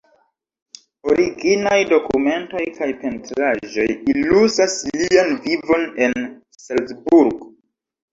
Originaj dokumentoj kaj pentraĵoj ilustras lian vivon en Salzburg.